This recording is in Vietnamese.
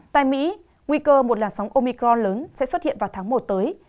tại mỹ nguy cơ một làn sóng omicron lớn sẽ xuất hiện vào tháng một tới